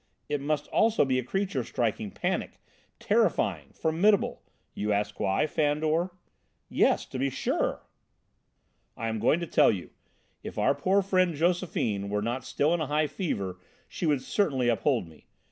It must also be a creature striking panic, terrifying, formidable: you ask why, Fandor?" "Yes, to be sure." "I am going to tell you. If our poor friend Josephine were not still in a high fever she would certainly uphold me.